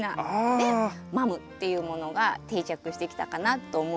でマムっていうものが定着してきたかなって思うんですけれど。